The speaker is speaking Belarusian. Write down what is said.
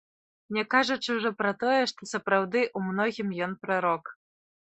Не кажучы ўжо пра тое, што сапраўды ў многім ён прарок.